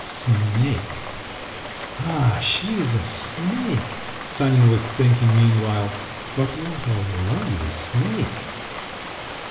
"Snake! ah, she's a snake!" Sanin was thinking meanwhile; "but what a lovely snake!"